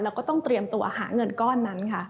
เราก็ต้องเตรียมตัวหาเงินก้อนนั้น